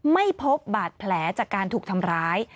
ไม่พบบาดแผลจากการถูกทำร้าย